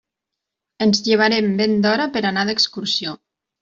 Ens llevarem ben d'hora per anar d'excursió.